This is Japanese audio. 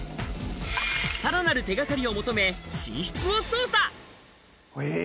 さらなる手がかりを求め寝室を捜査。